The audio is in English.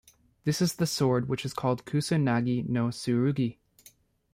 This is the sword which is called Kusa-nagi no tsurugi.